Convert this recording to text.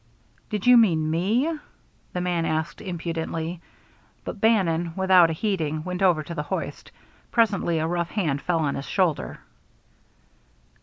"Did ye mean me?" the man asked impudently, but Bannon, without heeding, went over to the hoist. Presently a rough hand fell on his shoulder.